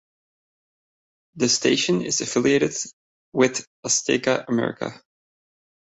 The station is affiliated with Azteca America.